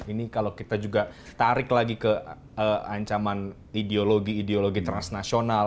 ini kalau kita juga tarik lagi ke ancaman ideologi ideologi transnasional